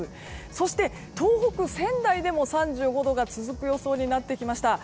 そして東北・仙台でも３５度が続く予想になりました。